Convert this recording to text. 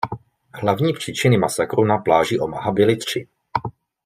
Hlavní příčiny masakru na pláži Omaha byly tři.